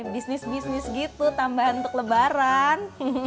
bisnis bisnis gitu tambahan untuk lebaran